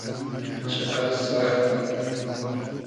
چیقئس سئختۂ